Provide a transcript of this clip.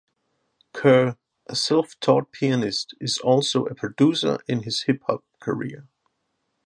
Kerr, a self-taught pianist, is also a producer in his hip-hop career.